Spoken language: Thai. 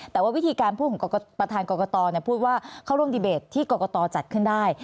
แต่ว่าวิธีการพูดของประธานกรกตพูดว่าเข้าร่วมดีเบตที่กรกตจัดขึ้นได้